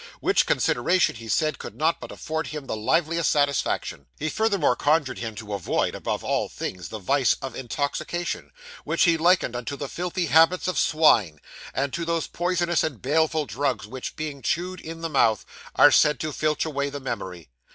Which consideration, he said, could not but afford him the liveliest satisfaction. He furthermore conjured him to avoid, above all things, the vice of intoxication, which he likened unto the filthy habits of swine, and to those poisonous and baleful drugs which being chewed in the mouth, are said to filch away the memory.